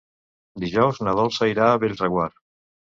Dijous na Dolça irà a Bellreguard.